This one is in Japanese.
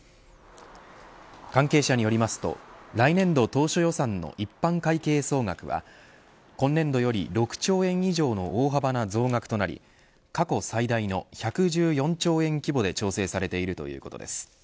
関係者によりますと来年度当初予算の一般会計総額は今年度より６兆円以上の大幅な増額となり過去最大の１１４兆円規模で調整されているということです。